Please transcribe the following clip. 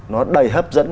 nó đầy hấp dẫn